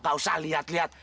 gak usah liat liat